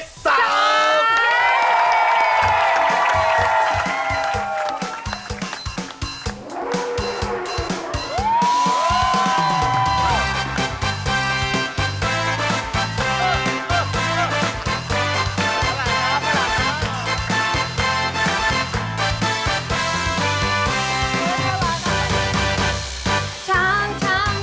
คุณพี่พูดแล้วนะ